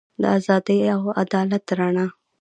د ازادۍ او عدالت رڼا.